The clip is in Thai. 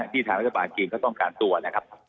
ทางรัฐบาลจีนก็ต้องการตัวนะครับ